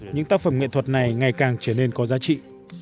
những tác phẩm nghệ thuật này ngày càng trở nên có giá trị